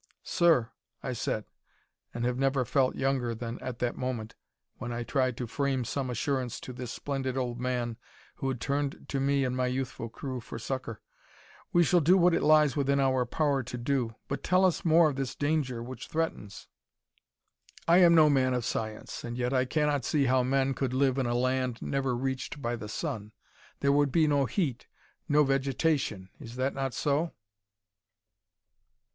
"Sir," I said, and have never felt younger than at that moment, when I tried to frame some assurance to this splendid old man who had turned to me and my youthful crew for succor, "we shall do what it lies within our power to do. But tell us more of this danger which threatens. "I am no man of science, and yet I cannot see how men could live in a land never reached by the sun. There would be no heat, no vegetation. Is that not so?"